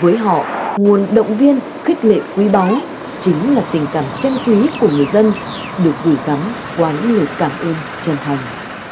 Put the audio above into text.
với họ nguồn động viên khích lệ quý báu chính là tình cảm chân quý của người dân được gửi gắm qua những lời cảm ơn chân thành